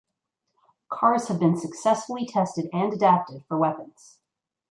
Cars have been successfully tested and adapted for weapons.